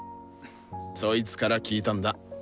そいつから聞いたんだ。